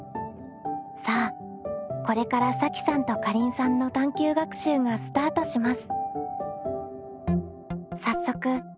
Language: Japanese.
さあこれからさきさんとかりんさんの探究学習がスタートします。